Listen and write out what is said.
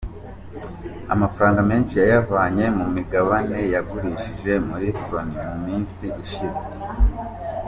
Amafaranga menshi yayavanye mu migabane yagurishije muri Sony mu minsi ishize.